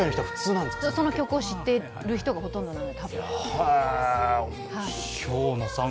その曲を知っている人がほとんどなので。